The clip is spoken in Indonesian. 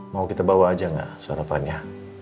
mau kita bawa aja nggak sarapan ya